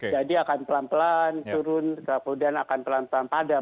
jadi akan pelan pelan turun kemudian akan pelan pelan padam